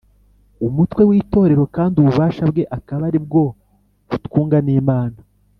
umutwe w’itorero kandi ububasha bwe akaba ari bwo butwunga n’imana